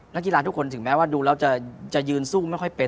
นักกีฬาทุกคนถึงแม้ว่าดูแล้วจะยืนสู้ไม่ค่อยเป็น